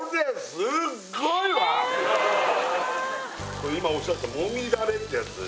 これ今おっしゃったもみダレってやつ？